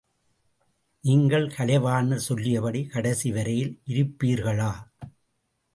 நீங்கள் கலைவாணர் சொல்லியபடி கடைசி வரையில் இருப்பீர்களா?